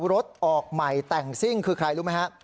รถออกใหม่แต่งซิ่งคือใครรู้ไหมฮะ